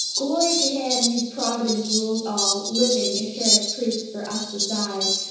Glory to Him whose Providence rules all * Living, as surest proofs for us decide.